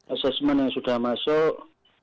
assessment yang sudah masuk